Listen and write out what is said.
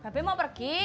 peh mau pergi